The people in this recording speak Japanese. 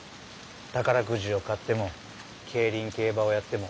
宝くじを買っても競輪・競馬をやっても。